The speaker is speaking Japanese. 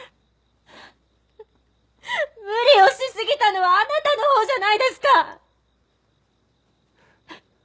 無理をしすぎたのはあなたのほうじゃないですか！